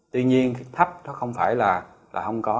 tuy nhiên thấp nó không phải là không có